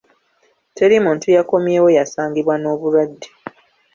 Teri muntu yakommyewo yasangibwa n'obulwadde.